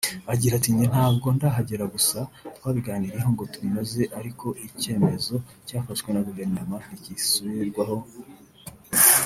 Agira ati “Njye ntabwo ndahagera gusa twabiganiyeho ngo tubinoze ariko icyemezo cyafashwe na Guverioneri ntigisubirwaho